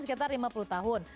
sekitar lima puluh tahun